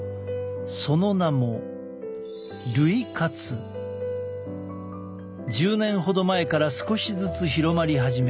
その名も１０年ほど前から少しずつ広まり始め